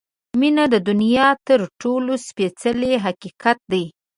• مینه د دنیا تر ټولو سپېڅلی حقیقت دی.